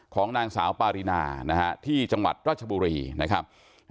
ของนางสาวปารินานะฮะที่จังหวัดราชบุรีนะครับ